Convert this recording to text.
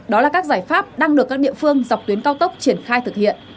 đó là các giải pháp đang được các địa phương dọc tuyến cao tốc triển khai thực hiện